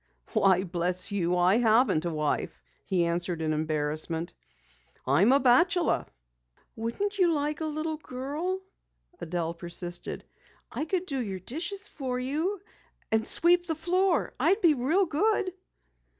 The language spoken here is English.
"Why, bless you, I haven't a wife," he answered in embarrassment. "I'm a bachelor." "Wouldn't you like a little girl?" Adelle persisted. "I could do your dishes for you and sweep the floor. I'd be real good."